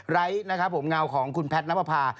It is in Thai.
ไร้เงาของคุณแพทย์นักประพา